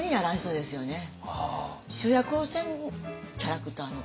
主役をせんキャラクターの方。